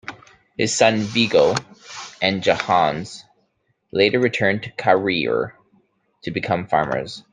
His sons Viggo and Johannes later returned to Karere to become farmers.